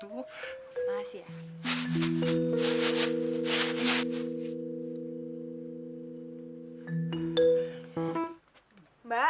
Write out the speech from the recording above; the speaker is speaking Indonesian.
aku ada nasional paham